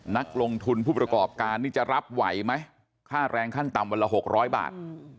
นักลงทุนผู้ประกอบการนี่จะรับไหวไหมค่าแรงขั้นต่ำวันละ๖๐๐บาท